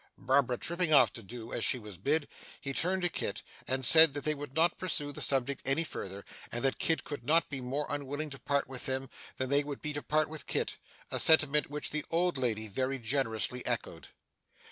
Barbara tripping off to do as she was bid, he turned to Kit and said that they would not pursue the subject any further, and that Kit could not be more unwilling to part with them, than they would be to part with Kit; a sentiment which the old lady very generously echoed.